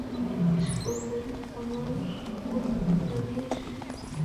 এরপর তিনি জিজ্ঞেস করলেন, আমার মূর্তি কেন নিয়ে এসেছ?